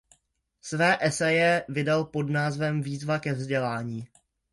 Své eseje vydal pod názvem Výzva ke vzdělání.